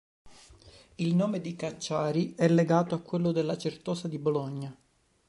Il nome di Cacciari è legato a quello della Certosa di Bologna.